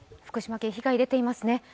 福島県、被害が出ていますね。